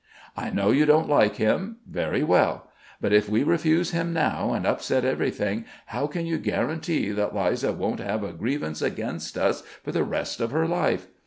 I know you don't like him.... Very well.... But if we refuse him now and upset everything, how can you guarantee that Liza won't have a grievance against us for the rest of her life?